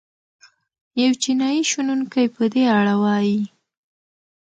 یو چینايي شنونکی په دې اړه وايي.